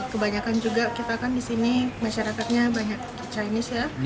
kebanyakan juga kita kan di sini masyarakatnya banyak chinese ya